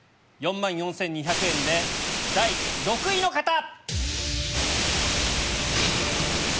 ４万４２００円で第６位の方！